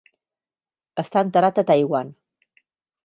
Està enterrat a Taiwan.